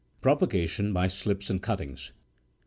PROPAGATION BY SLIPS AND CUTTINGS.